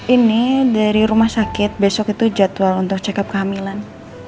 ini dari rumah sakit besok itu jadwal untuk check up kehamilan